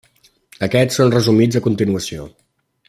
Aquests són resumits a continuació.